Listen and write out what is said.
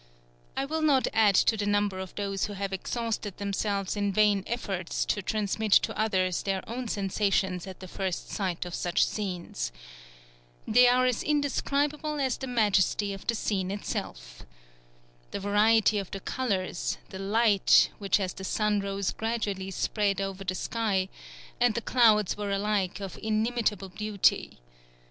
I will not add to the number of those who have exhausted themselves in vain efforts to transmit to others their own sensations at the first sight of such scenes. They are as indescribable as the majesty of the scene itself. The variety of the colours, the light, which as the sun rose gradually spread over the sky, and the clouds were alike of inimitable beauty.